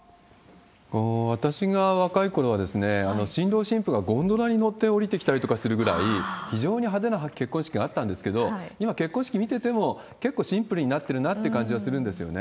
私が若いころは、新郎新婦がゴンドラに乗って下りてきたりとかするぐらい、非常に派手な結婚式があったんですけど、今、結婚式見てても、結構シンプルになってるって感じはするんですよね。